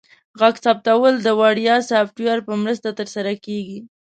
غږ ثبتول د وړیا سافټویر په مرسته ترسره کیږي.